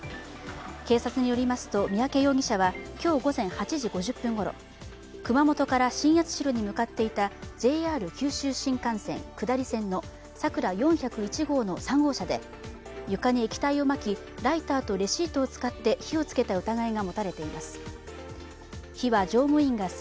警察によりますと、三宅容疑者は今日午前８時５０分ごろ熊本から新八代に向かっていたＪＲ九州新幹線下り線の「さくら４０１号」の３号車で床に液体をまき、ライターとレシートを使って火をつけた疑いが持たれています。